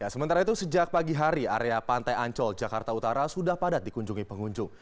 sementara itu sejak pagi hari area pantai ancol jakarta utara sudah padat dikunjungi pengunjung